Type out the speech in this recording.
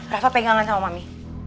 rafa pegangan sama mami